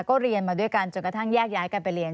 ก็เรียนมาด้วยกันจนกระทั่งแยกย้ายกันไปเรียน